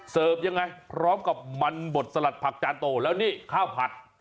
ยังไงพร้อมกับมันบดสลัดผักจานโตแล้วนี่ข้าวผัด